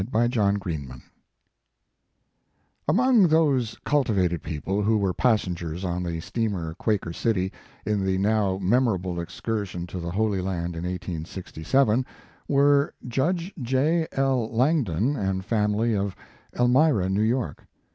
101 VI MAEEIAGE Among those cultivated people who were passengers on the steamer Quaker City, in the now memoiable excursion to the Holy Land in 1867, were Judge J. L. Langdon and family of Elmira, New York.